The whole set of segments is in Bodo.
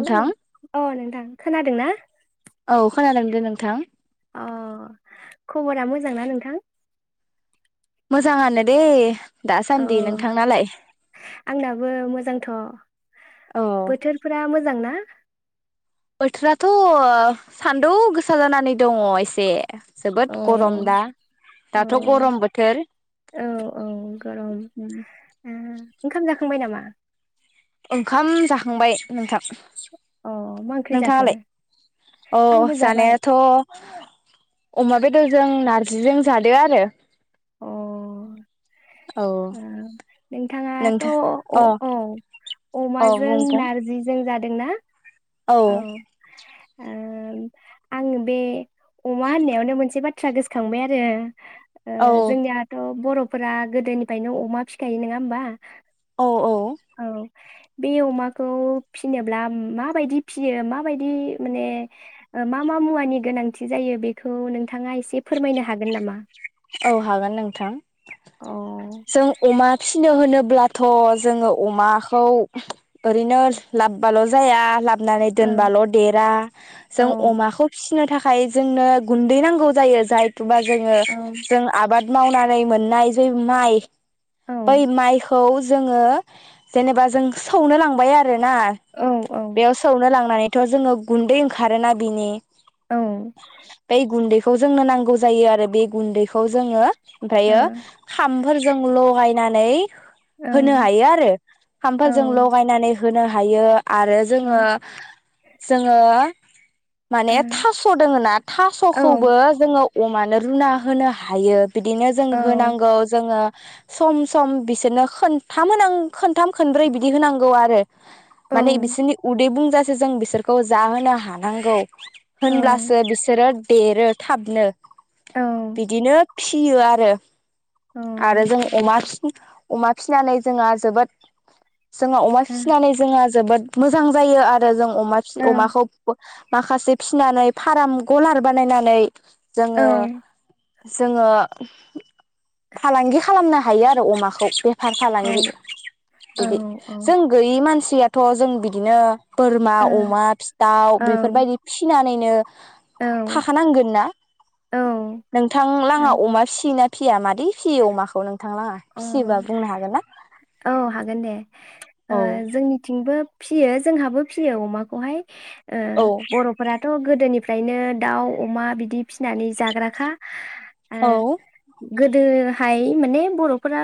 नोंथां हेल' औ नोंथां खोनादों ना? औ खोनादों दे नोंथां। अ खबरा मोजांना नोंथां? मोजाङानो दे औ दासान्दि नोंथांनालाय आंनाबो मोजांथ औ बोथोरफोरा मोजां ना? बोथोराथ ओ सान्दुं गोसा जानानै दङ एसे जोबोद अ गरम दा अ दाथ' गरम बोथोर औ औ गरम उम ओंखाम जाखांबाय नामा? ओंखाम जाखांबाय नोंथां। अ मा ओंख्रि जाखो नोंथाङालाय अ आंबो जाबाय जानायाथ अमा बेदरजों नारजिजों जादो आरो अ औ उम नोंथाङात नोंथां अ औ औ अमाजों बुं बुं नारजिजों जादो दोंना। औ ओं आङो बे अमा होननायावनो मोनसे बाथ थ्रा गोसोखांबाय आरो ओ औ जोंनियाथ बर'फोरा गोदोनिफ्रायनो अमा फिखायो नङा होमबा? औ औ। बे अमाखौ फिनोब्ला माबायदि फियो माबायदि मोने ओ मा मा मुवानि गोनांथि जायो बेखौ नोंथाङा एसे फोरमायनो हागोन नामा? औ हागोन नोंथां अ जों अमा फिसिनो होनोब्लाथ जोंङो अमाखौ ओरैनो लाबबाल जाया लाब नानै दोनबाल देरा ओ जों औ अमाखौ फिसिनो थाखाय जोंनो गुन्दै नांगौ जायो जाय थुबा जोंङो औ जों आबाद मावनानै मोननाय बै माइ औ बै माइ खौ जोंङो जेनेबा जों सौनो लांबाय आर रोना औ बेयाव सौनो लांनानै थ जोंङो गुन्दै ओंखारोना बिनि औ ओ बेै गुन्दै खौ जोंनो नांगौ जायो आरो बे गुन्दै खौ जोंङो ओमफ्रायो खाम फोरजों लगायनानै होनो हायो आरो ओं औ ओ खामफोरजों लगायनानै होनो हायो आरो जोंङो जोंङो माने थास दोङोना थासखौबो जोंङो अमानो रुना होनो हायो बिदिनो जों होनांगौ जोंङो सम सम बिसोरनो खोन्थाम होनां खोन खोन्थाम खोनब्रै बिदि होनांगौ आरो माने बिसोरनि उदै बुंजा जों बिसोरखौ जाहोनो हानांगौ औ ओ औ होनब्लासो बिसोरो देरो थाबनो बिदिनो फियो आरो आरो जों अमा फि अमा फिसिनानै जोंङा जाबोद जोङो अमा औ फिसिनानै जोङा जोबोद मोजां जायो आरो जों अमा फिसि अमाखौ बो माखासे फिसिनानै फाराम गलार बानायनानै जोङो जोङो फालांगि खालामना थायो आरो अमाखौ अ बेफार फालां बिदि औ जों गैयि मानसि [unintelligible] याथ जों बिदिनो बोरमा ओ अमा फिथाव औ बेफोरबायदि फिसिनानै बिनो औ थाखानांगोन ना औ नोंथां अ लाङा अमा फिसि फियो ना फिया मादै फियो अमाखौ नों अ औ हागोन दे औ ओ जोंनिथिंबो फियो जोंहाबो फियो अमाखौहाय ओ औ बरफोराथ गोदोनिफ्रायनो दाउ अमा बिदि फिसिनानै जाग्राखा ओ औ गोदोहाय माने बर फोरा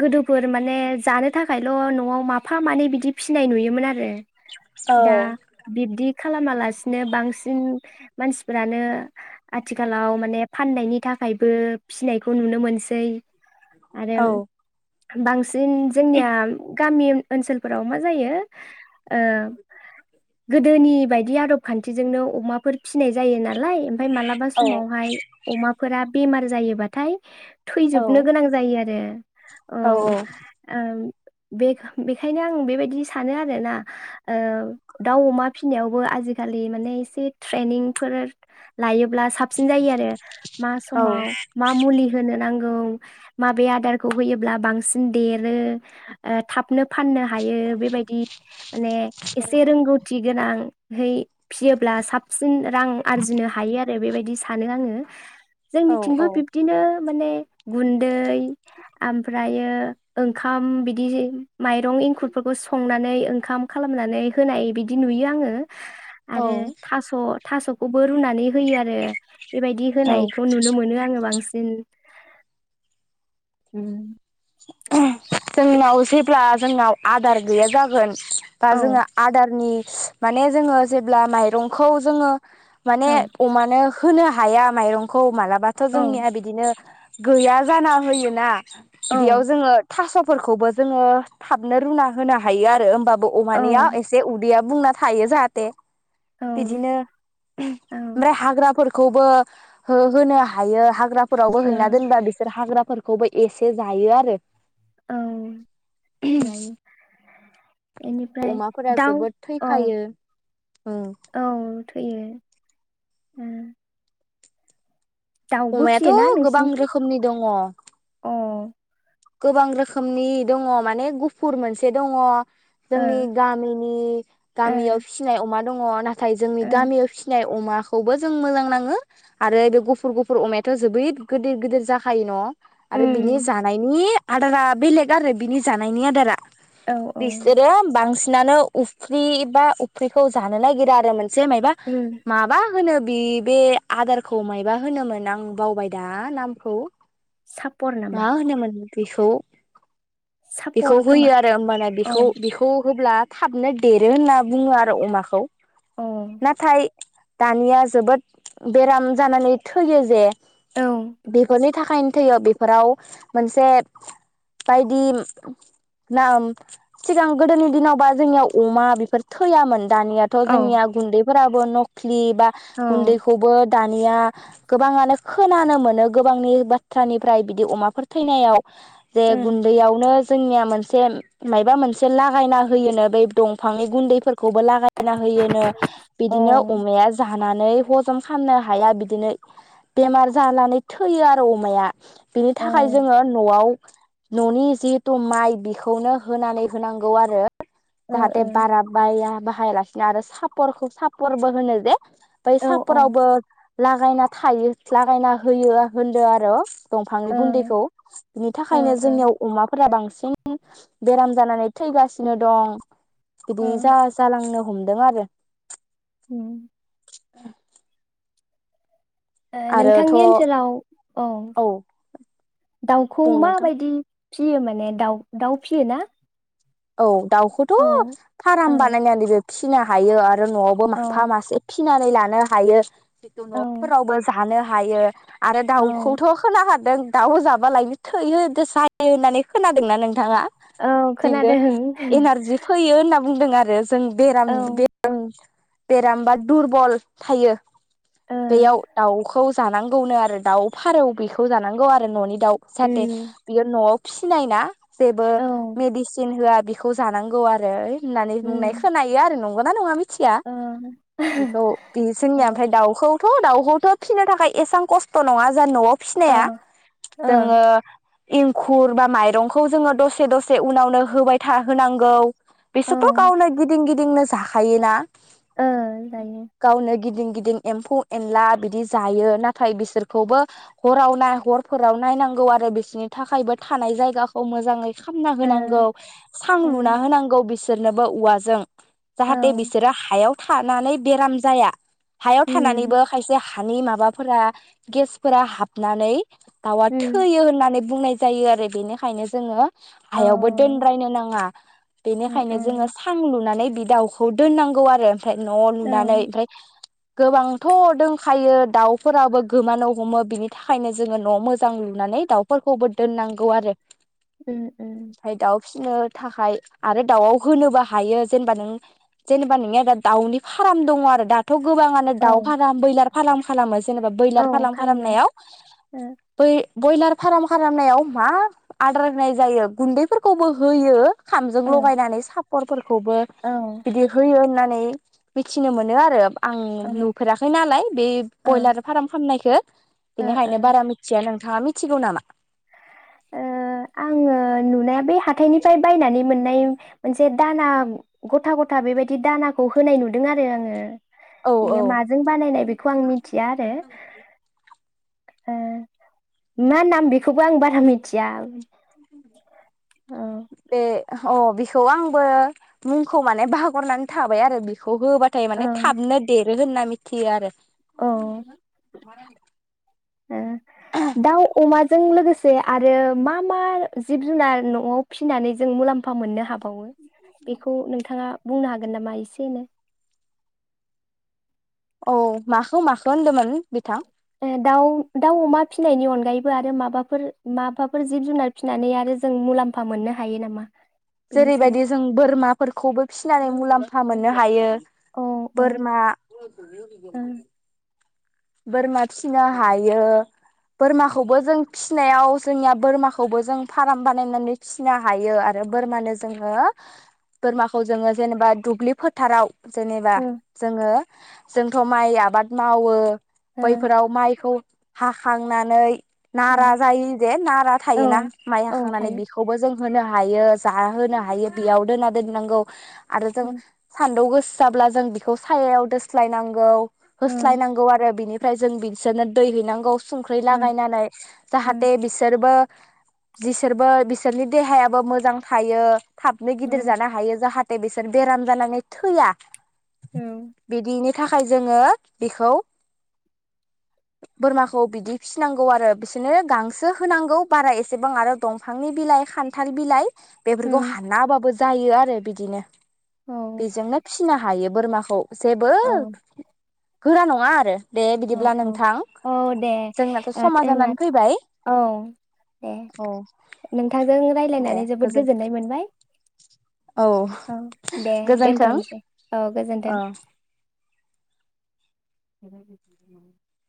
गोदोफोर माने जानो थाखायल नआव माफा मानै बिदि फिसिनाय नुयोमोन आरो दा बिबदि खालामालासिनो बांसिन मानसिफोरानो आथिखालाव माने फाननायनि थाखायबो फिसिनायखौ नुनो मोनसै आरो औ बांसिन सिन जोंनिया कामि ओनसोलफोराव मा जायो ओ गोदोनि बायदि आदब खान्थिजोंनो अमाफोर फिसिनाय जायोना? लाय ओमफ्राय मालाबा समावहाय अमाफोरा बेमार जायोबाथाय थै नो गोनां जायो आरो औ ओम। बे बेखायनो आं बेबायदि सानो आरोना दाउ अमा फिनायावबो आजिखालि माने एसे ट्रेनिंफोर लायो। ब्लाव साबसिन जायो आरो मा औ समाव मा मुलि होनो नांगौ। औ। माबे आदारखौ होयोब्ला बांसिन देरो ओ थाबनो। फाननो हायो बेबायदि माने एसे रोंगौथि गोनां। हाय फिसियोब्ला साबसिन। रां आरजिनो हायो आरो बेबायदि। सानो आङो। औ जोंनिथिंबो औ बिब्दिनो। माने। गुन्दै ओमफ्रायो ओंखाम बिदि जे माइरं इंखुरफोरखौ संनानै ओंखाम खालामनानै होनाय बिदि नुयो आङो। औ आरो थास। थासखौबो रुनानै होयो आरो। बेबायदि औ होनायखौ नुनो मोनो आङो बांसिन। ओम। [unintelligible] जेब्ला जोंनाव आदार गैया जागोन। बा औ जोङो आदारनि। माने जोङो जेब्ला माइरंखौ जोङो। माने औ अमानो। होनो हाया माइरंखौ मालाबा। बाथ औ जोंनिया बिदिनो। गैया जाना होयोना। औ बिदियाव जोङो थास। फोरखौबो जोङो थाबनो रुना होनो हायो आरो ओमबा। बो अमानानिया एसे उदैया। बुंना थायो जाहाथे। औ बिदिनो ओ ओमफ्राय हाग्राफोर। खौबो हो होनो हायो हाग्रा। फोरावबो हैना दोनबा बिसोर हाग्रा। फोरखौबो एसे। जायो आरो। औ जायो। बेनिफ्राय अमाफोरा दाउ जोबोद औ थैखायो ओं औ थैयो उम अमायाथ गोबां नोंसिनिथिं रोखोमनि दङ अ गोबां रोखोमनि दङ माने गुफुर मोनसे दङ ओ जोंनि गामिनि ओ गामियाव फिनाय अमा दङ नाथाय जोंनि ओ गामियाव फिसिनाय अमाखौबो जों मोजां नाङो आरो बे गुफुर गुफुर अमायाथ जोबोद गिदिर गिदिर जाखायो न। आरो बिनि उम जानाय नि आदारा बेलेग आरो बिनि जानायनि आदारा औ औ बिसोरो बांसि नानो उफ्रि बा उफ्रिखौ जानो नागिरा आरो मोने से माइबा उम माबा होनो बि बे आदारखौ मायबा होनोमोन आं बावबाय दा नामखौ सापर मा नामा? [unintelligible] बेखौ सापर खोमा होयो आरो होमबाना औ बेखौ बेखौ होब्ला थाबनो देरो होनना बुङो आरो अमाखौ औ नाथाय दानिया जोबोद बेराम जानानै थैयो जे औ बेखौ जे थाखायनो थैयो बेफोराव मोनसे बायदि ना सिगां गोदोनि दिनाव बा जोंनियाव अमा बेफोर थैयामोन। दानिया थ औ जोंनिया गुन्दै फोराबो नक ख्लि बा औ गुन्दैखौबो दानिया गोबाङानो खोनानो मोनो गोबांनि बाथ्रानिफ्राय बिदि अमाफोर थैनायाव जे उम गुन्दैयावनो जोंनिया मोनसे मायबा मोनसे लागायना होयोनो बै दंफांनि गुन्दैफोर खौबो लागायना होयोनो अ बिदिनो अमाया जा नानै हजम खामनो हाया बिदिनो बेमार जानानै थैयो आरो अमाया बिनि ओ था खाय जोङो न'आव न'नि जिहेथु माइ बेखौनो होनानै होनांगौ आरो औ जाहाथे औ बारा बाया बायालासिनो आरो सापरखौ सापर्टबो होनो जे बै ओ ओ सापरावबो लागायना थायो लागायना होयो होनदो आरो दंफांनि बुन्दै खौ बिनि ओ थाखायनो ओ जोंनियाव अमाफोरा बांसिन [unintelligible] बेराम जानानै थैगासिनो दं। बिदि उम जा जालांनो हमदों आरो आरो हम्म [unintelligible] आरोथ' नोंथांनि ओनसोलाव औ दाउखौ बुं नोंथां माबायदि फियो माने दाउ दाउ फियो ना? औ दाउखौथ औ ओ फाराम औ बानायनानै बेजो फिसिनो हायो आर रो न आवबो माफा मासे फिनानै लानो हायो जितु औ न'फोरावबो जानो हायो। आरो औ दाउखौथ खोला हा दों दाउ जाबालायनो थैयो दोसायो होननानै खोनादोंना नोंथाङा? औ बिदिनो खोनादों। एनारजि फैयो होनना बुंदों आरो। जों बेराम औ बेराम बेरामबा दुरबल थायो। ओ बेयाव दाउखौ जानांगौनो आरो दाउ फारौ बेखौ जानांगौ आरो ननि दाउ साथे उम बियो नआव फिनाय ना जेबो औ मेदिसि होआ बेखौ जानांगौ आरो होननानै बुंनाय उम खोनायो आरो ना गौ ना नङा मि थिया ओ बेखौ बे ओ जोंनिया ओमफ्राय दाउखौ थ दाउखौथ फिसिनो थाखाय एसां खस्थ नङा जों न'आव ओ फिनाया ओ जोङो एंखुर बा माइरंखौ जोंङो दसे दसे उनावनो होबाय थाहोनां गौ औ बिसोर थ गावनो गिदिं गि दिं नो जाखायोना ओ जायो गावनो गिदिं गिदिं एम्फौ एनला बिदि जायो नाथाय बिसोरखौबो हराव ना हर फोराव नायनांगौ आरो बिसोरनि थाखायबो थानाय जायगाखौ मोजांङै खामना ओ होनांगौ सां ओ लुना होनांगौ बिसोर सोरनोबो उवाजों औ जाहाथे बिसोरो हायाव थानानै बेराम जाया हायाव उम थानानैबो खायसे हानि माबाफोरा गेसफोरा हाबनानै दाउआ उम थैयो होननानै बुंनाय जायो आरो बेनिखायनो जोंङो औ हायावबो बो दोनद्रायनो नांङा उम बेनिखायनो जोंङो उम सां लुनानै दि दाव खौ दोननांगौ आरो फाय न औ लुनानै ओमफ्राय गोबांथ दोंखायो दाव फोराबो गोमानो हमो बिनि थाखायनो जोंङो न'मोजां लुनानै दाउफोरखौबो दोननांगौ आरो उम उम फाय दाव फिसिनो थाखाय आरो दाव आव होनोबो हायो जेनेबा नों जेनेबा नोंनिया दा दाव नि फार्म दंङ आरो दा थ गोबांङानो औ दाव फाराम बैलार फार्म खालामो जेनेबा औ बैलार फार्म खालामो खालामनायाव ओ बै बयलार फार्म खालामनायाव मा आदार होनाय जायो गुन्दैफोर खौबो होयो खामजों ओ लगायनानै साफ खर फोर खौबो औ ओ बिदि होयो होननान नायै मिथिनो मोनो आरो आं नुफेराखै नालाय बे ओ बयलार फार्म खालामाननायखौ ओ बेनिखायनो बारा मिथिया नों थांङा मिथिगौ नामा? ओ आंङो नुनाया बे हाथथायनिफ्राय बायनानै मोननाय मोनसे दाना गथा-गथा बेबायदि दानाखौ होनाय नुदों आरो आंङो। औ औ बेयो माजों बानायनाय बेखौ आं मिथिया आरो ओ मा नाम बेखौबो आं बारा मिथ थिया [inaudible] बे अ बेखौ आंबो मुंखौ माने बगरनानै थाबाय आरो बेखौ खौ होबाथाय औ माने थाबनो देरो होनना मिथि थियो आरो [inaudible] औ दाउ अमा। जों लोगोसे आरो मा मा जिब जुनार न'आव फिसिनानै जों मुलाम्फा मोननो हाबावो। बेखौ नोंथाङा। बुंनो हागोन नामा एसेनो। औ माखौ माखौ होनदोंमोन। बिथां? [unintelligible] दाउ दाउ अमा फिसिनायनि अनगायैबो आरो माबाफोर माबाफोर जिब जुनार फिसिनानै आरो जों मुलाम्फा मोननो हायो नामा। बेनि सायाव जेरैबायदि जों बोरमाफोरखौबो फिसिनानै मुलाम्फ फा मोननो हायो। औ औ बोरमा। ओ बोरमा फिसिनो हायो बोरमाखौबो जों फिनायाव जोंनिया बोरमाखौबो जों फार्म बानायनानै फिनो हायो। हायो आरो बोरमानो जोङो। बोरमाखौ जोङो जेनेबा दुब्लि फोथाराव। जेनेबा ओ जोङो। जोंथ माइ आबाद मावो। ओ बैफोराव माइखौ। हाखांनानै। नारा जायो दे नारा औ थायोना माइ औ हाखांनानै थायो बेखौबो जों। होनो हायो जा होनो हायो बेयाव दोना दोननांगौ। आरो जों औ सानदौ गोसा। जाब्ला जों बिखौ सायायाव दोस्लायनांगौ। औ होस्लायनांगौ आरो। बिनिफ्राय जों बिसोरनो दै हैनांगौ। संख्रि लागायनानै जाहाथे बिसोरबो। बिसोरबो बिसोरनि देहायाबो मोजां थायो। थाबनो औ गिदिर जानो हायो जाहाथे। बिसोर बेराम जानानै थैया। औ बिदिनि थाखाय जोङो बेखौ बोरमाखौ बिदि फिसिनांगौ आरो बिसोरनो गांसो होनांगौ बारा एसेबां आरो दंफांनि बिलाइ खान्थाल बिलाइ बेफोरखौ हानाबाबो जायो आरो बिदिनो औ बेजोंनो फिसिनो हायो बोरमा जेबो औ गोरा नङा आरो दे औ बिदिब्ला औ नोंथां औ दे जोंनाथ' समा जानानै फैबाय [unintelligible] औ दे औ नोंथांजों दे राय्लायनानै जोबोद गोजोन गोजोननाय मोनबाय औ औ दे गोजोन्थों दोनथनसै औ गोजोन्थों औ [inaudible]